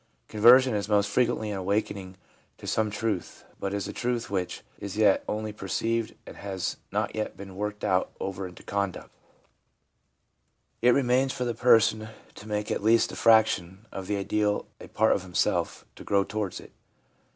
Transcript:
Conversion is most frequently an awakening to some truth ; but it is a truth which is yet only perceived and has not yet been worked over into conduct. It remains 364 THE PSYCHOLOGY OF RELIGION for the person to make at least a fraction of the ideal a part of himself — to grow towards it.